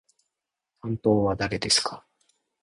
担当は誰ですか？